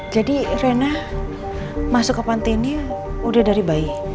jadi rena masuk ke pantai ini udah dari bayi